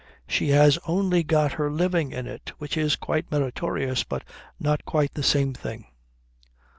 She has only got her living in it which is quite meritorious, but not quite the same thing.